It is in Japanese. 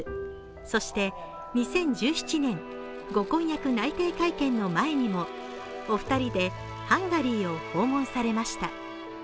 そして、２０１７年、ご婚約内定会見の前にもお二人でハンガリーを訪問されました。